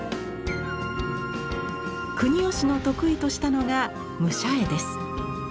国芳の得意としたのが武者絵です。